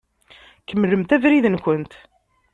Kemmlemt abrid-nkent.